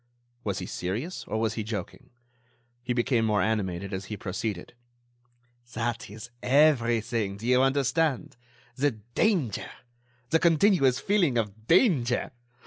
Was he serious? Or was he joking? He became more animated as he proceeded: "That is everything, do you understand, the danger! The continuous feeling of danger!